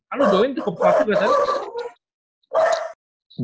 ah lo join tuh ke pasu kelas tadi